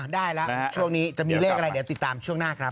ได้แล้วช่วงนี้จะมีเลขอะไรเดี๋ยวติดตามช่วงหน้าครับ